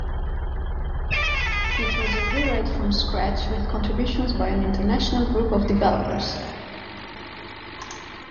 It was a rewrite from scratch with contributions by an international group of developers.